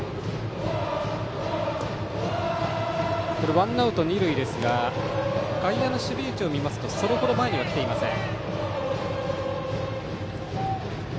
ワンアウト二塁ですが外野の守備位置を見ますとそれほど前には来ていません。